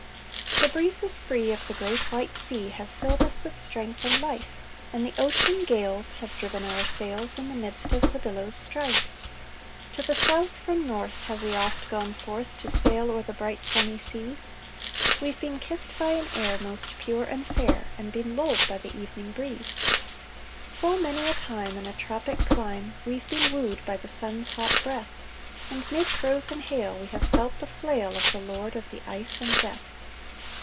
The breezes free of the great white sea Have filled us with strength and life; And the ocean gales have driven our sails In the midst of the billows' strife. To the South from North have we oft gone forth To sail o'er the bright sunny seas; We've been kissed by an air most pure and fair, And been lulled by the evening breeze. Full many a time, in a tropic clime, We've been wooed by the sun's hot breath, And mid frozen hail we have felt the flail Of the Lord of the Ice and Death.